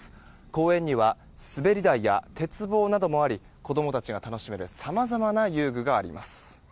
公園には滑り台や鉄棒などもあり子供たちが楽しめるさまざまな遊具があります。